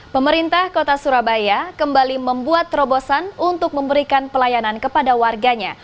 pemerintah kota surabaya kembali membuat terobosan untuk memberikan pelayanan kepada warganya